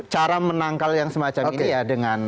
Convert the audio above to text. cara menangkal yang semacam ini ya dengan